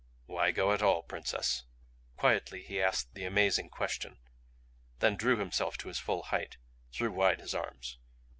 "Why go at all, Princess?" Quietly he asked the amazing question then drew himself to his full height, threw wide his arms.